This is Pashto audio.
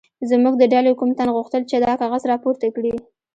زموږ د ډلې کوم تن غوښتل چې دا کاغذ راپورته کړي.